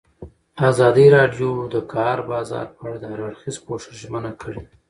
ازادي راډیو د د کار بازار په اړه د هر اړخیز پوښښ ژمنه کړې.